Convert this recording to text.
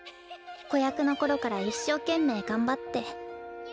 子役の頃から一生懸命頑張って。